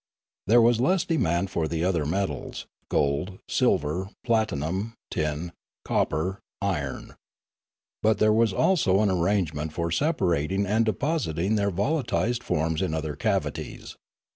There was less demand for the other metals, gold, silver, platinum, tin, copper, iron. But there was also an arrangement for separating and depositing their volatilised forms in other cavities.